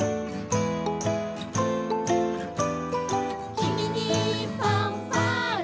「君にファンファーレ」